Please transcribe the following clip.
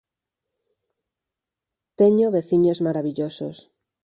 Teño veciños marabillosos.